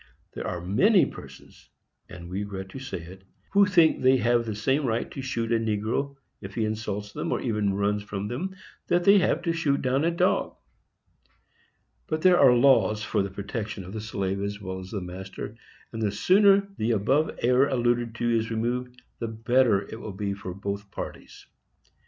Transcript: There are many persons—and we regret to say it—_who think they have the same right to shoot a negro, if he insults them, or even runs from them, that they have to shoot down a dog_; but there are laws for the protection of the slave as well as the master, and the sooner the error above alluded to is removed, the better will it be for both parties.